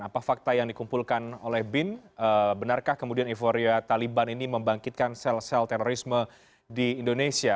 apa fakta yang dikumpulkan oleh bin benarkah kemudian euforia taliban ini membangkitkan sel sel terorisme di indonesia